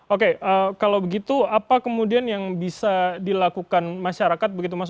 oke kalau begitu apa kemudian yang bisa dilakukan masyarakat begitu mas